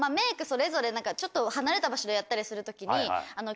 それぞれちょっと離れた場所でやったりする時に。